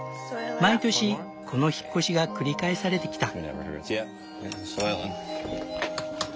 毎年この引っ越しが繰り返されてきた。